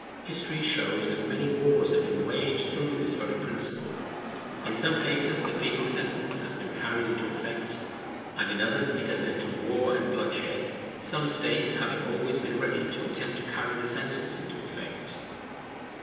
History shows that many wars have been waged through this very principle. In some cases the papal sentence has been carried into effect, and in others it has led to war and bloodshed, some states having always been ready to attempt to carry the sentence into effect.